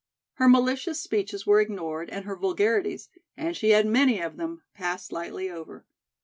Her malicious speeches were ignored and her vulgarities and she had many of them passed lightly over.